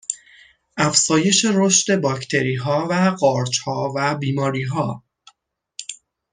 افزایش رشد باکتریها و قارچها و بیماریها